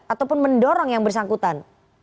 ataupun mendorong yang bersangkutan